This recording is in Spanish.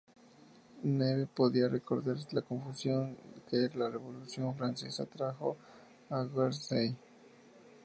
Neve podía recordar la confusión que la Revolución francesa trajo a Guernsey.